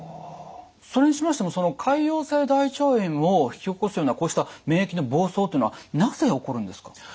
それにしましてもその潰瘍性大腸炎を引き起こすようなこうした免疫の暴走というのはなぜ起こるんですか？